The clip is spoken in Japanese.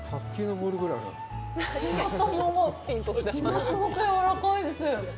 白玉が物すごくやわらかいです。